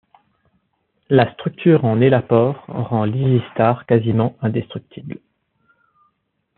La structure en Elapor rend l'EasyStar quasiment indestructible.